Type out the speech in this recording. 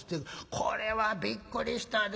これはびっくりしたで。